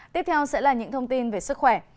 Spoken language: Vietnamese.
tiếp theo sẽ là những thông tin về sức khỏe